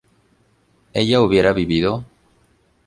¿ella hubiera vivido?